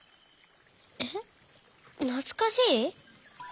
えっなつかしい？